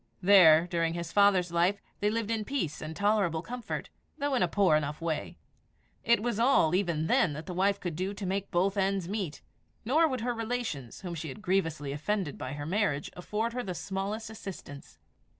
There, during his father's life, they lived in peace and tolerable comfort, though in a poor enough way. It was all, even then, that the wife could do to make both ends meet; nor would her relations, whom she had grievously offended by her marriage, afford her the smallest assistance.